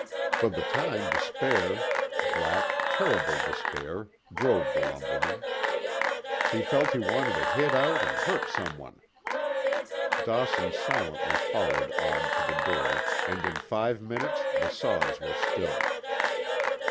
For the time despair black, terrible despair drove the lumberman. He felt he wanted to hit out and hurt some one. Dawson silently followed Odd to the door, and in five minutes the saws were still.